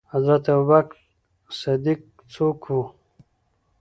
حضرت ابوبکر صديق څوک وو؟